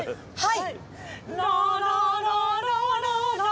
はい